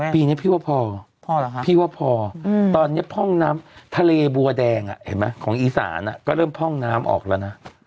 ปีนี้พี่ว่าพอพี่ว่าพอตอนนี้พ่องน้ำทะเลบัวแดงเห็นไหมของอีสานก็เริ่มพร่องน้ำออกแล้วนะ